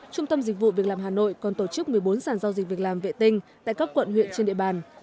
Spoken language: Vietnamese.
trung tâm dịch vụ việc làm hà nội còn tổ chức một mươi bốn sản giao dịch việc làm vệ tinh tại các quận huyện trên địa bàn